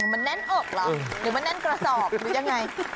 มันแน่นอกเหรอหรือมันแน่นกระสอบหรือยังไง